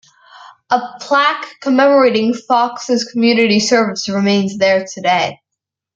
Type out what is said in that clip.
A plaque commemorating Foxx's community service remains there today.